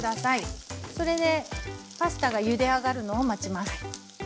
それでパスタがゆであがるのを待ちます。